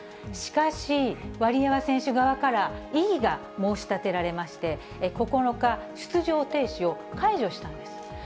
しかし、ワリエワ選手側から異議が申し立てられまして、９日、出場停止を解除したんです。